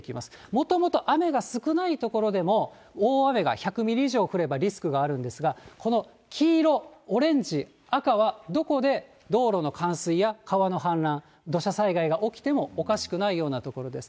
もともと雨が少ない所でも、大雨が、１００ミリ以上降ればリスクがあるんですが、この黄色、オレンジ、赤はどこで道路の冠水や川の氾濫、土砂災害が起きてもおかしくないような所です。